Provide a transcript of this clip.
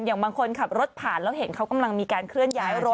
อย่างบางคนขับรถผ่านแล้วเห็นเขากำลังมีการเคลื่อนย้ายรถ